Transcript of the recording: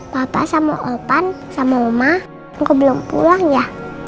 papa sama opan sama mama engkau belum pulang ya